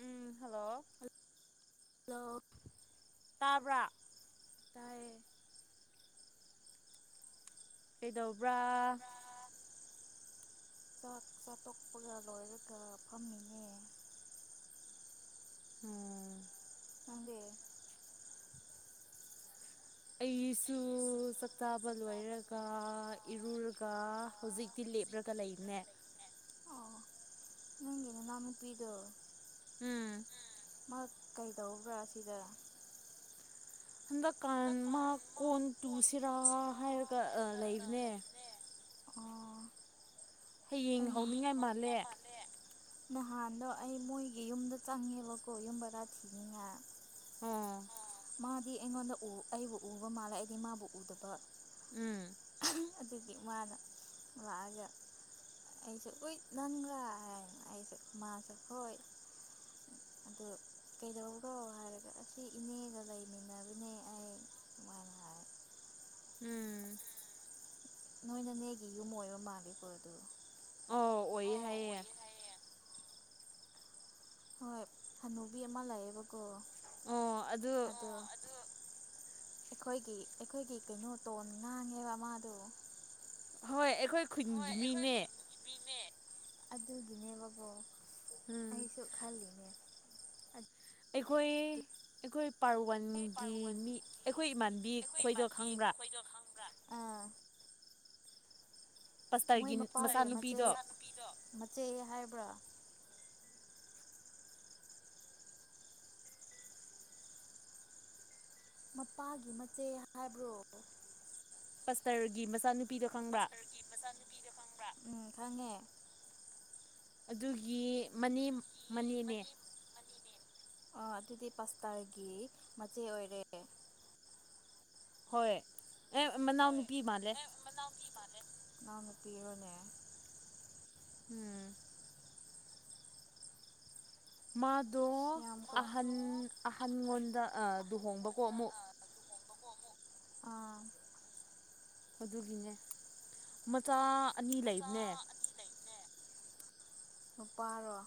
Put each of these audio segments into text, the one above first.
ꯎꯝ hello ꯂꯣ ꯇꯥꯕ꯭ꯔ ꯀꯩꯗꯧꯕ꯭ꯔꯥ ꯆꯥꯛ ꯆꯥꯇꯣꯛꯄꯒ ꯂꯣꯏꯔꯒ ꯐꯝꯃꯤꯅꯦ ꯎꯝ ꯑꯩꯁꯨ ꯆꯥꯛꯇꯥꯕ ꯂꯣꯏꯔꯒ ꯏꯔꯨꯔꯒ ꯍꯧꯖꯤꯛꯇꯤ ꯂꯦꯞ ꯗ꯭ꯔꯒ ꯂꯩꯅꯦ ꯑꯣ ꯅꯪꯒꯤ ꯅꯅꯥ ꯅꯨꯨꯄꯤꯗꯣ ꯎꯝ ꯀꯩꯗꯧꯕ꯭ꯔꯥ ꯁꯤꯗ ꯍꯟꯗꯛꯀꯥꯟ ꯃꯥ ꯀꯣꯟ ꯇꯨꯁꯤꯔꯥ ꯍꯥꯏꯔꯒ ꯂꯩꯕꯅꯦ ꯑꯣ ꯍꯌꯦꯡ ꯍꯧꯅꯤꯡꯉꯥꯏ ꯃꯥꯜꯂꯦ ꯅꯍꯥꯟꯗꯣ ꯑꯩ ꯃꯣꯏꯒꯤ ꯌꯨꯝꯗ ꯆꯪꯉꯦꯕꯀꯣ ꯌꯨꯝ ꯕꯔꯥ ꯊꯤꯅꯤꯡꯉꯥꯏ ꯑꯣ ꯃꯥꯗꯤ ꯑꯩꯉꯣꯟꯗ ꯑꯩꯕꯨ ꯎꯕ ꯃꯥꯜꯂꯦ ꯑꯩꯗꯤ ꯃꯥꯕꯨ ꯎꯗꯕ ꯎꯝ ꯑꯗꯨꯒꯤ ꯃꯥꯅ ꯂꯥꯛꯑꯒ ꯑꯩꯁꯨꯦ ꯎꯏꯠ ꯅꯪꯒ꯭ꯔ ꯍꯥꯏꯅ ꯑꯩꯁꯦ ꯃꯥꯁꯨꯦ ꯍꯣꯏ ꯑꯗ ꯀꯩꯗꯧꯕꯔꯣ ꯍꯥꯏꯔꯒ ꯑꯁꯤ ꯏꯅꯦꯒ ꯂꯩꯃꯤꯟꯅꯕꯅꯦ ꯑꯩ ꯑꯗꯨꯃꯥꯏꯅ ꯍꯥꯏ ꯎꯝ ꯅꯣꯏꯅꯅꯦꯒꯤ ꯌꯨꯝ ꯑꯣꯏꯕ ꯃꯥꯜꯂꯦꯀꯣ ꯑꯗꯨ ꯑ ꯑꯣꯏꯌꯦꯦ ꯍꯥꯏꯌꯦꯦ ꯍꯣꯏ ꯍꯅꯨꯕꯤ ꯑꯃ ꯂꯥꯛꯑꯦꯕꯀꯣ ꯑꯗꯣ ꯑꯩꯈꯣꯏꯒꯤ ꯑꯩꯈꯣꯏꯒꯤ ꯀꯩꯅꯣ ꯇꯣꯟ ꯉꯥꯡꯉꯦꯕ ꯃꯥꯗꯣ ꯍꯣꯏ ꯑꯩꯈꯣꯏ ꯈꯨꯟꯒꯤ ꯃꯤꯅꯦ ꯑꯗꯨꯒꯤꯅꯦ ꯕꯕꯣ ꯑꯩꯁꯨ ꯈꯜꯂꯤꯅꯦ ꯑꯩꯈꯣꯏ ꯑꯩꯈꯣꯏ ꯄꯥꯔꯋꯥꯟꯒꯤ ꯃꯤ ꯑꯩꯈꯣꯏ ꯏꯃꯥꯟꯕꯤ ꯑꯩꯈꯣꯏꯗꯣ ꯈꯪꯕ꯭ꯔꯥ ꯃꯣꯏ ꯃꯄꯥꯒꯤ ꯃꯆꯦ ꯃꯆꯦ ꯍꯥꯏꯕ꯭ꯔꯥ ꯃꯄꯥꯒꯤ ꯃꯆꯦ ꯍꯥꯏꯕ꯭ꯔꯣ ꯄꯇꯔꯒꯤ ꯃꯆꯥꯅꯨꯄꯤ ꯈꯪꯉꯤ ꯑꯗꯨꯒꯤ ꯃꯅꯦ ꯃꯅꯦꯅꯦ ꯑꯥ ꯑꯗꯨꯗꯤ ꯄꯥꯁꯇꯥꯒꯤ ꯃꯆꯦ ꯑꯣꯏꯔꯦ ꯍꯣꯏ ꯑꯦ ꯃꯅꯥꯎ ꯅꯨꯄꯤ ꯃꯥꯜꯂꯦ ꯅꯪꯅ ꯄꯤꯔꯣꯅꯦ ꯎꯝ ꯃꯥ ꯑꯗꯣ ꯑꯍꯟ ꯑꯍꯟꯉꯣꯟꯗ ꯂꯨꯍꯣꯡꯕꯀꯣ ꯑꯃꯨꯛ ꯑꯥ ꯑꯗꯨꯒꯤꯅꯦ ꯃꯆꯥ ꯑꯅꯤ ꯂꯩꯕꯅꯦ ꯅꯨꯄꯥꯔꯣ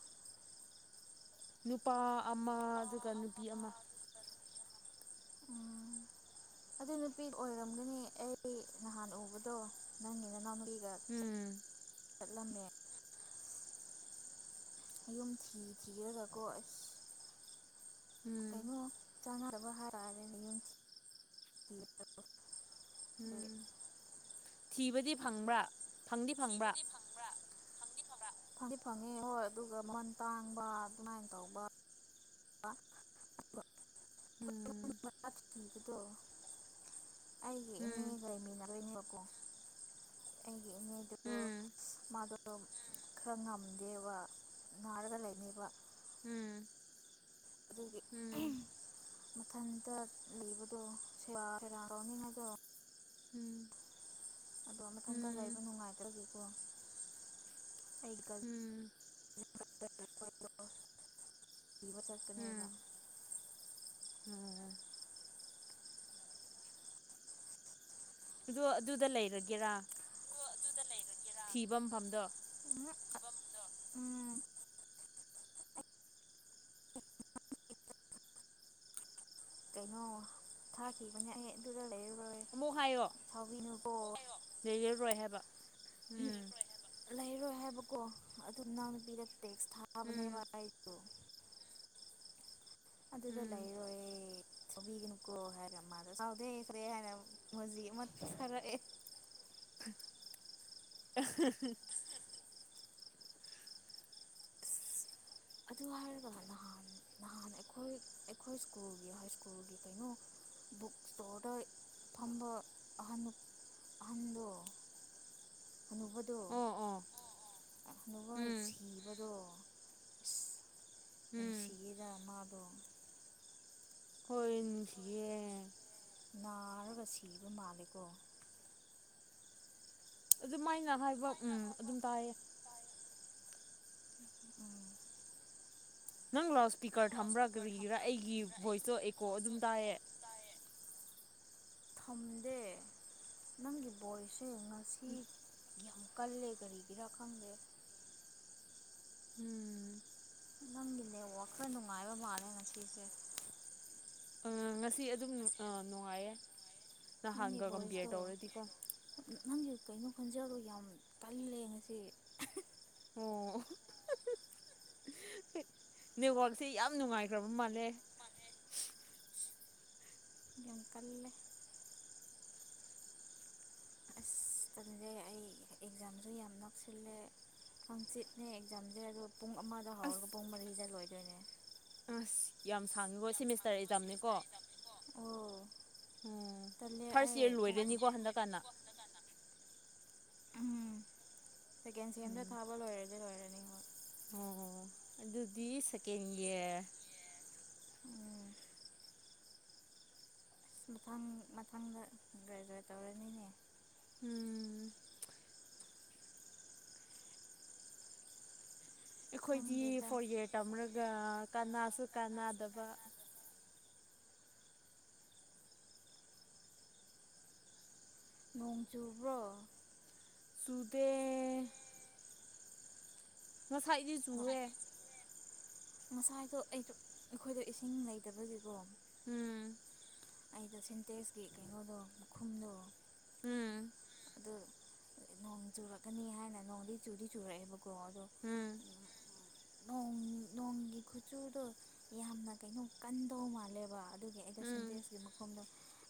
ꯅꯨꯄꯥ ꯑꯃ ꯑꯗꯨꯒ ꯅꯨꯄꯤ ꯑꯃ ꯎ ꯑꯗꯨ ꯅꯨꯄꯤ ꯑꯣꯏꯔꯝꯒꯅꯤ ꯑꯩ ꯅꯍꯥꯟ ꯎꯕꯗꯣ ꯅꯪꯒꯤ ꯅ ꯅꯎꯒꯤ ꯎꯝ ꯆꯠꯂꯝꯃꯦ ꯌꯌꯨꯝ ꯊꯤ ꯊꯤꯔꯒ ꯀꯣ ꯑꯁ ꯀꯩꯅꯣ ꯔꯒꯅꯤ ꯎꯝ ꯊꯤꯕꯗꯤ ꯐꯪꯕ꯭ꯔꯥ ꯐꯪꯗꯤ ꯐꯪꯕ꯭ꯔꯥ ꯐꯪꯉ ꯐꯪꯉꯤ ꯍꯣꯏ ꯑꯗꯨꯒ ꯃꯃꯟ ꯇꯥꯡꯕ ꯑꯗꯨꯃꯥꯏꯅ ꯇꯧꯕ ꯋꯥ ꯎꯝ ꯕꯗꯣ ꯑꯩꯒꯤ ꯏꯅꯦꯒꯃꯤꯅ ꯂ ꯀꯣ ꯎꯝ ꯑꯗꯨꯝ ꯈꯔ ꯉꯝꯗꯦꯕ ꯅꯥꯔꯒ ꯂꯩꯅꯦꯕ ꯎꯝ ꯎꯝ ꯃꯊꯟꯇ ꯂꯤꯕꯗꯣ ꯁꯦꯔꯥꯡ ꯔꯥꯎꯅꯤꯡ ꯑꯗꯣ ꯎꯝ ꯑꯗꯣ ꯃꯊꯟꯇ ꯂꯩꯕ ꯅꯨꯡꯉꯥꯏꯇ꯭ꯔꯒꯦꯀꯣ ꯎꯝ [unintelligible] ꯖꯤꯕꯆꯔꯀꯅꯦꯕ ꯑꯗꯨ ꯑꯗꯨꯗ ꯂꯩꯔꯒꯦꯔꯥ ꯊꯤꯐꯝ ꯐꯝꯗ ꯎꯝ ꯀꯩꯅꯣ ꯊꯥꯈꯤꯕꯅꯦ ꯑꯗꯨꯗ ꯑꯃꯨꯛ ꯍꯥꯏꯌꯣ ꯂꯩꯔꯔꯣꯏ ꯍꯥꯏꯕ ꯎꯝ ꯂꯩꯔꯣꯏ ꯍꯥꯏꯕꯀꯣ ꯑꯗꯨ ꯅꯅꯥꯪꯎ ꯅꯨꯄꯤꯗ ꯇꯦꯛꯁ ꯊꯥꯕꯅꯦꯕ ꯑꯩꯗꯣ ꯑꯗꯨꯗ ꯂꯩꯔꯣꯏꯦ ꯁꯕꯤꯒꯅꯨꯀꯣ ꯍꯥꯏꯔ ꯃꯥꯗ ꯁꯥꯎꯗꯦ ꯁꯥꯑꯣꯗꯦ ꯍꯥꯏꯅ ꯑꯃꯣꯖꯤ ꯑꯃꯥ ꯊꯔꯛꯏ [inaudible] ꯑꯗꯨ ꯍꯥꯏꯔꯒ ꯅꯍꯥꯟ ꯅꯍꯥꯟ ꯑꯩꯈꯣꯏ ꯑꯩꯈꯣꯏ ꯁ꯭ꯀꯨꯜꯒꯤ ꯍꯥꯏ ꯁ꯭ꯀꯨꯜꯒꯤ ꯀꯩꯅꯣ ꯕꯨꯛ ꯏꯁꯇꯣꯔꯗ ꯐꯝꯕ ꯑꯍꯟ ꯑꯍꯟꯗꯣ ꯍꯥꯅꯨꯕꯗꯣ ꯍꯥꯅꯨꯕ ꯁꯤꯕꯗꯣ ꯅꯨꯡꯁꯤꯔꯥ ꯃꯥꯗ ꯍꯣꯏ ꯅꯨꯡꯁꯤꯌꯦ ꯅꯥꯔꯒ ꯁꯤꯕ ꯃꯥꯜꯂꯦꯀꯣ ꯑꯗꯨꯃꯥꯏꯅ ꯍꯥꯏꯕ ꯎꯝ ꯑꯗꯨꯝ ꯇꯥꯏꯌꯦ ꯅꯪ ꯂꯥꯎꯠ ꯁꯄꯤꯀꯔ ꯊꯝꯕ꯭ꯔꯥ ꯀꯔꯥ ꯑꯩꯒꯤ ꯚꯣꯏꯁꯇꯣ ꯑꯦꯀꯣ ꯑꯗꯨꯝ ꯇꯥꯏꯌꯦ ꯊꯝꯗꯦ ꯅꯪꯒꯤ ꯚꯣꯏꯁꯁꯦ ꯉꯁꯤ ꯌꯥꯝ ꯀꯜꯂꯦ ꯀꯔꯤꯒꯤꯔꯥ ꯈꯪꯗꯦ ꯎꯝ ꯅꯪꯒꯤꯅꯦ ꯋꯥ ꯈꯔ ꯅꯨꯡꯉꯥꯏꯕ ꯃꯥꯜꯂꯦ ꯉꯁꯤꯁꯦ ꯉꯁꯤ ꯑꯗꯨꯝ ꯅꯨꯡꯉꯥꯏꯌꯦ ꯅꯪꯒꯤ ꯣꯏꯁꯗ ꯅꯪꯒꯤ ꯀꯩꯅꯣ ꯈꯟꯖꯦꯜꯗꯣ ꯌꯥꯝ ꯀꯥꯜꯂꯦ ꯉꯁꯤ ꯑꯦ ꯅꯦꯠꯋꯥꯛꯁꯦ ꯌꯥꯝ ꯅꯨꯡꯉꯥꯏꯈ꯭ꯔꯕ ꯃꯥꯜꯂꯦ ꯣꯡꯀꯂꯦ ꯑꯁ ꯇꯟꯖꯦ ꯑꯩ ꯑꯦꯛꯖꯥꯝꯁꯨ ꯌꯥꯝ ꯅꯛꯁꯤꯜꯂꯦ ꯍꯪꯆꯤꯠꯅꯦ ꯑꯦꯛꯖꯥꯝꯁꯦ ꯑꯗꯣ ꯄꯨꯡ ꯑꯃꯗ ꯍꯧꯔꯒ ꯄꯨꯡ ꯃꯔꯤꯗ ꯂꯣꯏꯗꯣꯏꯅꯦ ꯑꯁ ꯌꯥꯝ ꯁꯥꯡꯉꯤꯀꯣ ꯁꯤꯦꯃꯤꯁꯇꯔ ꯑꯦꯛꯖꯥꯝꯅꯤꯀꯣ ꯑꯣ ꯐꯥꯔꯁ ꯏꯌꯥꯔ ꯂꯣꯏꯔꯅꯤꯀꯣ ꯍꯟꯗꯛꯀꯥꯟꯅ ꯎꯝ ꯁꯦꯀꯦꯟꯁꯤ ꯑꯝꯇ ꯊꯥꯕ ꯂꯣꯏꯔꯗꯤ ꯂꯣꯏꯔꯅꯤ ꯍꯣꯏ ꯑꯗꯨꯗꯤ ꯁꯀꯦꯟꯒꯤ ꯑꯁ ꯃꯊꯪ ꯃꯊꯪꯗ ꯒ꯭ꯔꯦꯖꯨꯋꯦꯠ ꯇꯧꯔꯅꯤꯅꯦ ꯎꯝ ꯑꯩꯈꯣꯏꯗꯤ ꯐꯣꯔ ꯏꯌꯥꯔ ꯇꯝꯃꯔꯒ ꯀꯅꯥꯁꯨ ꯀꯥꯅꯗꯕ ꯅꯣꯡ ꯆꯨꯕ꯭ꯔꯣ ꯇꯨꯗꯦ ꯉꯁꯥꯏ ꯏꯗꯤ ꯆꯨꯨꯔꯦ ꯉꯁꯥꯏꯗꯣ ꯑꯩꯗ ꯑꯩꯈꯣꯏꯗꯣ ꯏꯁꯤꯡ ꯂꯩꯇꯕꯒꯤꯀꯣ ꯎꯝ ꯑꯩꯗ ꯁꯤꯟꯇꯦꯛꯁꯀꯤ ꯀꯩꯅꯣꯗꯣ ꯃꯈꯨꯝꯗꯣ ꯎꯝ ꯅꯣꯡ ꯆꯨꯔꯛꯀꯅꯤ ꯍꯥꯏꯅ ꯅꯣꯡꯗꯤ ꯆꯨꯗꯤ ꯆꯨꯔꯛꯑꯦꯕꯀ ꯀꯍ ꯑꯗꯨ ꯅꯣꯡꯒꯤ ꯈꯨꯆꯨꯗꯣ ꯌꯥꯝꯅ ꯀꯩꯅꯣ ꯀꯟꯗꯧ ꯃꯥꯜꯂꯦꯕ ꯑꯗꯨꯒꯤ ꯑꯩꯗ ꯁꯤꯟꯇꯦꯁꯀꯤ ꯃꯈꯐꯝꯗꯣ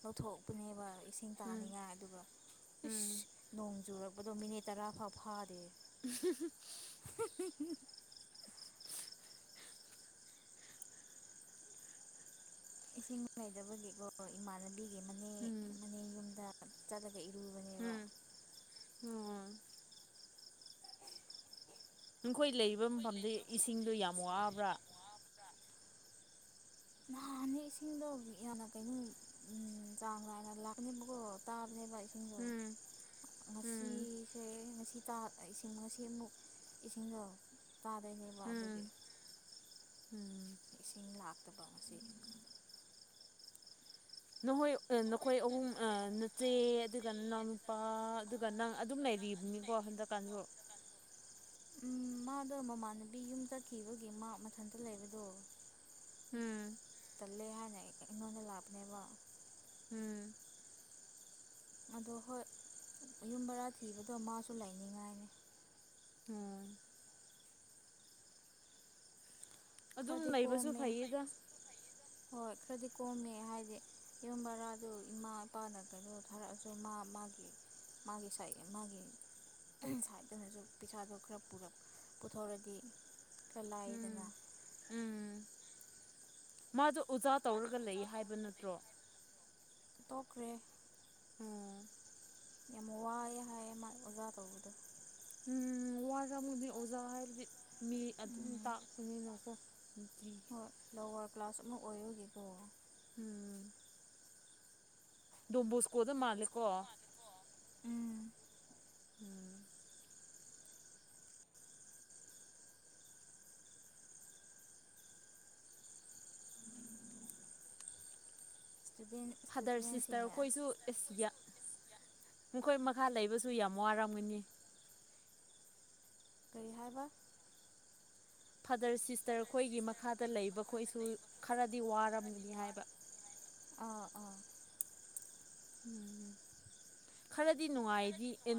ꯂꯧꯊꯣꯛꯄꯅꯦꯕ ꯏꯁꯤꯡ ꯇꯥꯅꯤꯡꯉꯥꯏ ꯑꯗꯨꯒ ꯎꯁ ꯅꯣꯡ ꯆꯨꯔꯛꯄꯗꯣ ꯃꯤꯅꯤꯠ ꯇꯔꯥꯐꯥꯎ ꯐꯥꯗꯦ ꯏꯁꯤꯡ ꯂꯩꯗꯕꯒꯤꯀꯣ ꯏꯃꯥꯟꯅ ꯎꯝ ꯆꯠꯦ ꯎꯝ ꯑꯣꯝ ꯑꯩꯈꯣꯏ ꯂꯩꯔꯤꯕ ꯃꯐꯝꯗ ꯏꯁꯤꯡꯗꯣ ꯌꯥꯝ ꯋꯥꯕ꯭ꯔꯥ ꯅꯍꯥꯟꯅꯦ ꯏꯁꯤꯡꯗꯣ ꯌꯥꯝꯅ ꯀꯩꯅꯣ ꯆꯥꯡ ꯅꯥꯏꯅ ꯂꯥꯛꯀꯅꯦꯕꯀꯣ ꯇꯥꯕꯅꯦꯕ ꯁꯤꯡꯗꯣ ꯉꯁꯤꯁꯦ ꯉꯁꯤ ꯏꯁꯤꯡ ꯉꯁꯤꯃꯨꯛ ꯏꯁꯤꯡꯗꯣ ꯇꯥꯗꯣꯏꯅꯦꯕ ꯑꯗꯨꯒꯤ ꯏꯁꯤꯡ ꯂꯥꯛꯇꯕ ꯑꯁꯤ ꯅꯈꯣꯏ ꯅꯈꯣꯏ ꯑꯍꯨꯝ ꯅꯆꯦ ꯑꯗꯨꯒ ꯅꯎ ꯅꯨꯄꯥ ꯑꯗꯨꯒ ꯅꯪ ꯑꯗꯨꯝ ꯂꯩ ꯂꯩꯔꯤꯕꯅꯤꯀꯣ ꯍꯟꯗꯛꯀꯥꯟꯁꯨ ꯎꯝ ꯃꯥꯗꯣ ꯃꯃꯥꯟꯅꯕꯤ ꯌꯨꯝ ꯆꯠꯈꯤꯕꯒꯤ ꯃꯥ ꯃꯊꯟꯇ ꯂꯩꯕꯗꯣ ꯎꯝ ꯏꯉꯣꯟꯅ ꯂꯥꯕꯅꯦꯕ ꯎꯝ ꯑꯗꯣ ꯍꯣꯏ ꯌꯨꯝ ꯔꯥ ꯊꯤꯕꯗꯣ ꯃꯥꯁꯨ ꯂꯩꯅꯤꯡꯉꯥꯏꯅꯤ ꯎꯝ ꯈꯥꯗꯤ ꯀꯃꯦ ꯍꯣꯏ ꯈꯔꯗꯤ ꯀꯣꯝꯃꯦ ꯍꯥꯏꯗꯤ ꯌꯨꯝ ꯔꯥꯗꯨ ꯏꯃꯥ ꯏꯄꯥꯅ ꯀꯩꯗꯣ ꯊꯥꯔꯛꯑꯁꯨ ꯃꯥ ꯃꯥ [unintelligible] ꯃꯥꯒꯤ ꯁꯥꯏ ꯃꯥꯒꯤ ꯁꯥꯏꯠꯇꯅꯁꯨ ꯄꯩꯁꯥꯗꯣ ꯈꯔ ꯄꯨꯊꯣꯛꯔꯗꯤ ꯈꯔ ꯂꯥꯏꯗꯅ ꯎꯝ ꯃꯥꯗꯣ ꯑꯣꯖꯥ ꯇꯧꯔꯒ ꯂꯩ ꯍꯥꯏꯕ ꯅꯠꯇ꯭ꯔꯣ ꯇꯣꯛꯈ꯭ꯔꯦ ꯌꯥꯝ ꯋꯥꯏꯑꯦ ꯍꯥꯏ ꯃꯥ ꯑꯣꯖꯥ ꯇꯧꯕꯗꯣ ꯎꯝ ꯋꯥ ꯆꯃꯨꯗꯤ ꯑꯣꯖꯥ ꯍꯥꯏꯕꯗꯤ ꯃꯤ ꯑꯗꯨꯝ ꯇꯥꯛꯄꯅꯤꯅꯀꯣ ꯍꯣꯏ ꯂꯋꯥꯔ ꯀ꯭ꯂꯥꯁ ꯑꯃ ꯑꯣꯏꯌꯨꯒꯦꯀꯣ ꯎꯝ ꯗꯨꯝꯝꯕꯨ ꯁꯀꯨꯜ ꯑꯗꯨ ꯃꯥꯂꯦꯀꯣ ꯎꯝ ꯐꯥꯗꯔ ꯁꯤꯁꯇꯔ ꯑꯩꯈꯣꯏꯁꯨ ꯑꯦꯁꯤꯌꯥ ꯃꯈꯣꯏ ꯃꯈꯥ ꯂꯩꯕꯁꯨ ꯌꯥꯝ ꯋꯥꯔꯝꯒꯅꯤ ꯀꯔꯤ ꯍꯥꯏꯕ ꯐꯗꯔ ꯁꯤꯁꯇꯔ ꯈꯣꯏꯒꯤ ꯃꯈꯥꯗ ꯂꯩꯕ ꯈꯣꯏꯁꯨ ꯈꯔꯗꯤ ꯋꯥꯔꯝꯒꯅꯤ ꯍꯥꯏꯕ [unintelligible] ꯎꯝ ꯈꯔꯦ ꯗꯤꯅꯨꯡꯉꯥꯏ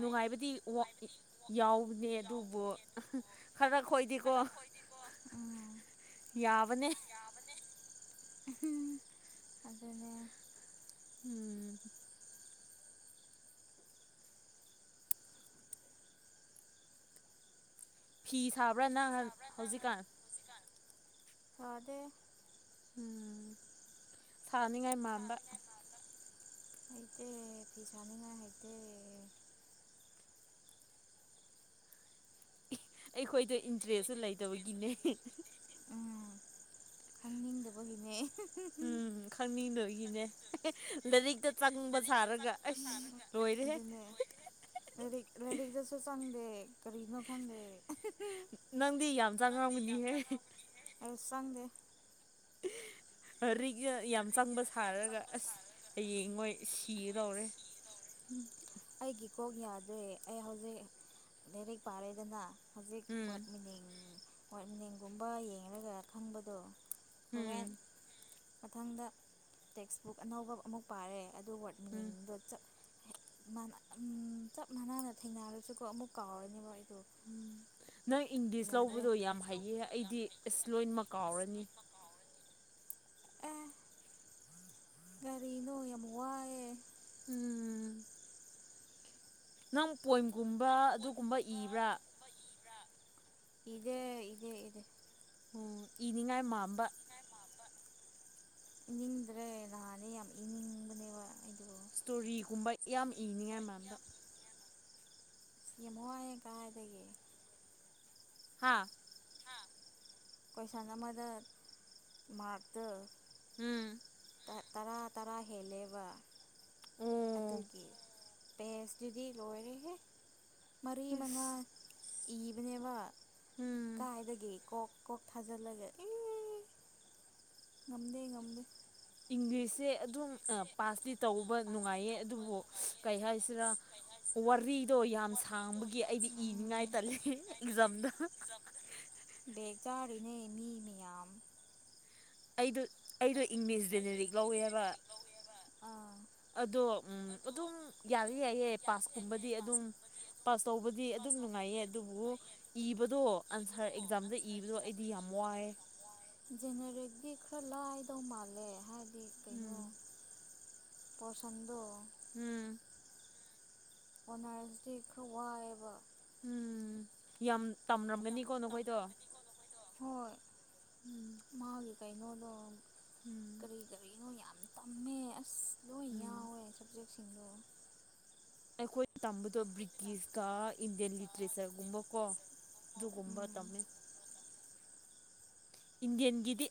ꯅꯨꯡꯉꯥꯏꯕꯗꯤ ꯌꯥꯎꯕꯅꯦ ꯑꯗꯨꯕꯨ ꯈꯔ ꯈ ꯑꯣꯏꯗꯤꯀꯣ ꯌꯥꯕꯅꯦ ꯑꯗꯨꯅꯦ ꯎꯝ ꯐꯤ ꯁꯥꯕ꯭ꯔꯥ ꯅꯍꯥꯟ ꯍꯧꯖꯤꯛꯀꯥꯟ ꯍꯗ ꯎꯝ ꯊꯥꯅꯤꯡꯉꯥꯏ ꯃꯥꯟꯕ ꯑꯩꯗꯤ ꯐꯩꯁꯥꯅꯤꯅ ꯍꯥꯏꯗꯤ ꯑꯩꯈꯣꯏꯗ ꯏꯟꯇꯔꯦꯁꯇ ꯂꯩꯇꯕꯒꯤꯅꯦ ꯎꯝ ꯈꯪꯅꯤꯡꯗꯕꯒꯤꯅꯦ ꯎꯝ ꯈꯪꯅꯤꯡ ꯅꯣꯏꯒꯤꯅꯦ ꯂꯥꯏꯔꯤꯛꯇ ꯆꯪꯕ ꯁꯥꯔꯒ ꯑꯁ ꯂꯣꯏꯔꯦ ꯂꯩꯔꯤ ꯂꯔꯤꯛꯗꯁꯨꯣ ꯆꯥꯡꯪꯗ ꯀꯔꯤꯅꯣ ꯈꯪꯗ ꯅꯪꯗꯤ ꯌꯥꯝ ꯆꯥꯡ ꯉꯥꯡꯕꯅꯤꯍꯦ ꯆꯪꯗꯦ ꯑꯔꯤ ꯌꯥꯝ ꯆꯪꯕ ꯁꯥꯔꯒ ꯑꯁ ꯍꯌꯦꯡ ꯃꯣꯏ ꯁꯤꯒꯗꯧꯔꯦ ꯝ ꯀꯣꯛ ꯌꯥꯗ꯭ꯔꯦ ꯑꯩ ꯍꯧꯖꯤꯛ ꯂꯥꯏꯔꯤꯛ ꯄꯥꯔꯦꯗꯅ ꯍꯧꯖꯤꯛ ꯋꯥꯗ ꯃꯤꯅꯤꯡ ꯋꯥꯗ ꯃꯤꯅꯤꯡꯒꯨꯝꯕ ꯌꯦꯡꯒ ꯈꯪꯕꯗꯣ ꯎꯝ ꯃꯊꯪꯗ ꯇꯦꯛꯁꯕꯨꯛ ꯑꯅꯧꯕ ꯑꯃꯨꯛ ꯄꯥꯔꯦ ꯑꯗꯨ ꯋꯥꯔꯗ ꯃꯤꯅꯤꯡꯗꯣꯞ ꯆꯞ ꯃꯥꯟꯅꯥꯅ ꯊꯦꯡꯅꯔꯁꯨꯀꯣ ꯑꯃꯨꯛ ꯀꯥꯎꯔꯅꯦꯕ ꯎꯝ ꯅꯪ ꯏꯪꯂꯤꯁ ꯂꯧꯕꯗꯣ ꯌꯥꯝ ꯍꯩꯌꯦ ꯑꯩꯗꯤ ꯑꯦꯁ ꯂꯣꯏꯃꯛ ꯀꯥꯎꯔꯅꯤ ꯀꯒꯥꯔꯤꯅ ꯌꯥꯝꯃꯨ ꯋꯥꯌꯦ ꯎꯝ ꯅꯪ ꯄꯣꯏꯝꯒꯨꯝꯕ ꯑꯗꯨꯒꯨꯝꯕ ꯏꯕ꯭ꯔꯥ ꯏꯦ ꯏꯗꯦ ꯏꯗ ꯎꯝ ꯏꯅꯤꯡꯉꯥꯏ ꯃꯝꯕ ꯏꯅꯤꯡꯗ꯭ꯔꯦ ꯅꯍꯥꯟꯅꯦ ꯌꯥꯝ ꯏꯅꯤꯡꯕꯅꯦꯕ ꯑꯩꯗ ꯏꯁꯇꯣꯔꯤꯒꯨꯝꯕ ꯌꯥꯝ ꯏꯅꯤꯡꯉꯥꯏ ꯃꯌꯥꯝꯗ ꯌꯦꯥꯏ ꯀꯥꯏꯥꯏ ꯂꯩꯗꯒꯤ ꯍꯥꯥ ꯀꯁꯥꯟꯅ ꯃꯗꯔ ꯃꯔꯇ ꯎꯝ ꯇꯔꯥ ꯇꯔꯥ ꯍꯦꯜꯂꯦꯕ ꯑꯗꯨꯒꯤ ꯄꯦꯁꯇꯨꯗꯤ ꯂꯣꯏꯔꯦꯍꯦ ꯃꯔꯤ ꯃꯉꯥ ꯏꯕꯅꯦꯕ ꯀꯥꯏꯗꯒꯤ ꯀꯣꯛ ꯀꯣꯛ ꯊꯥꯖꯤꯜꯂꯒ ꯑꯦ ꯉꯝꯗ ꯉꯝꯗ ꯏꯪꯂꯤꯁꯁꯦ ꯑꯗꯨꯝ ꯄꯥꯁꯇꯤ ꯇꯧꯕ ꯅꯨꯡꯉꯥꯏꯌꯦ ꯑꯗꯨꯕꯨ ꯀꯩ ꯍꯥꯏꯁꯤꯔꯥ ꯋꯥꯔꯤꯗꯣ ꯌꯥꯝ ꯁꯥꯡꯕꯒꯤ ꯑꯩꯗꯤ ꯏꯅꯤꯡꯉꯥꯏ ꯇꯂ ꯑꯦꯛꯖꯥꯝꯗ ꯕꯦꯛ ꯆꯥꯔꯤꯅꯦ ꯃꯤ ꯃꯌꯥꯝ ꯑꯩꯗꯣ ꯑꯩꯗꯣ ꯏꯪꯂꯤꯁ ꯖꯦꯅꯦꯔꯤꯛ ꯂꯧꯋꯦꯕ ꯑꯗꯣ ꯎꯝ ꯑꯗꯨꯝ ꯌꯥꯗꯤ ꯌꯥꯏꯌꯦ ꯄꯥꯁ ꯀꯨꯝꯕꯗꯤ ꯑꯗꯨꯝ ꯄꯥꯁ ꯇꯧꯕꯗꯤ ꯑꯗꯨꯝ ꯅꯨꯡꯉꯥꯏꯌꯦ ꯑꯗꯨꯕꯨ ꯏꯕꯥꯗꯣ ꯑꯟꯁꯥꯔ ꯑꯦꯛꯖꯥꯝꯗ ꯏꯕꯥꯗꯣ ꯑꯩꯗꯤ ꯌꯥꯝ ꯋꯥꯏꯌꯦ [unintelligible] ꯁꯤ ꯈꯔ ꯂꯥꯏꯗꯧ ꯃꯥꯜꯂꯦ ꯍꯥꯏꯗꯤ ꯀꯩꯅꯣ ꯄꯣꯔꯁꯟꯗꯣ ꯎꯝ ꯑꯣꯅꯔꯁꯗꯤ ꯈꯔ ꯋꯥꯏꯑꯦꯕ ꯎꯝ ꯌꯥꯝ ꯇꯝꯔꯝꯒꯅꯤꯀꯣ ꯅꯈꯣꯏꯗꯣ ꯍꯣꯏ ꯃꯥꯒꯤ ꯀꯩꯅꯣꯗꯣ ꯀꯔꯤ ꯀꯔꯤꯅꯣ ꯌꯥꯝ ꯇꯝꯃꯦ ꯑꯁ ꯎꯝ ꯑꯩꯈꯣꯏꯅ ꯇꯝꯕꯗꯣ ꯕ꯭ꯔꯤꯇꯤꯁꯀ ꯏꯟꯗꯤꯌꯥꯟ ꯂꯤꯇ꯭ꯔꯦꯆꯔꯒꯨꯝꯕꯀꯣ ꯑꯗꯨꯒꯨꯝꯕ ꯇꯝꯃꯦ ꯏꯟꯗꯤꯌꯟꯒꯤꯗꯤ